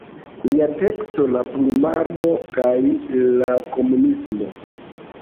Lia teksto "La plumarbo kaj la komunismo.